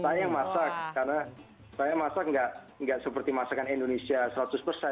saya yang masak karena saya masak nggak seperti masakan indonesia seratus persen